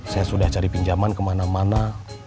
saya sudah cari pinjaman kemana mana